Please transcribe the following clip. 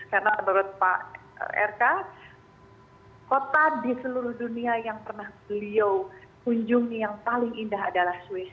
karena menurut pak rk kota di seluruh dunia yang pernah beliau kunjungi yang paling indah adalah swiss